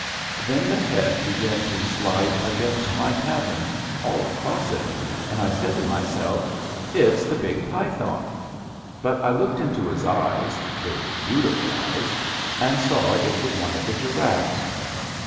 Then the head began to slide against my cabin — all across it — and I said to myself: * It's the big 22 ABAFT THE FUNNEL python.' But I looked into his eyes — ^they were beantifnl eyes — and saw it was one of the giraffes.